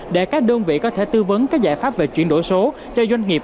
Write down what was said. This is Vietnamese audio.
để các đơn vị có thể tư vấn các giải pháp về chuyển đổi số cho doanh nghiệp